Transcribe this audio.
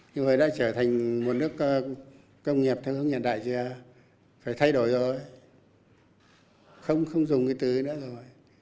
nhưng mà đã trở thành một nước công nghiệp theo hướng hiện đại chưa phải thay đổi rồi không dùng cái từ nữa rồi